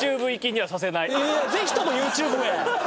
ぜひともＹｏｕＴｕｂｅへ！